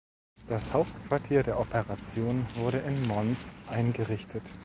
Das Hauptquartier der Operation wurde in Mons eingerichtet.